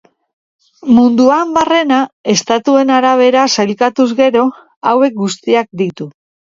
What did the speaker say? Munduan barrena, estatuen arabera sailkatuz gero, hauek guztiak ditu.